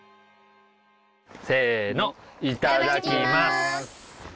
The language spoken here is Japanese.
せのいただきます